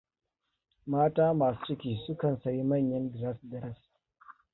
Mata masu ciki sun kan sayi manyan diras-diras.